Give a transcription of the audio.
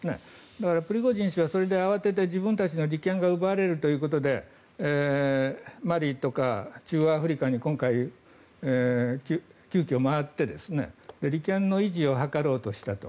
だからプリゴジン氏はそれで慌てて、自分たちの利権が奪われるということでマリとか中央アフリカに今回、急きょ回って利権の維持を図ろうとしたと。